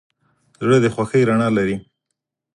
زړه د خوښۍ رڼا لري.